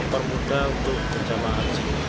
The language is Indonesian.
mempermudah untuk berjamaah haji